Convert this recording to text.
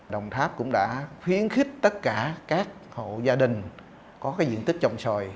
đồng tháp cũng đã khuyến khích tất cả các hộ gia đình có cái diện tích trồng xoài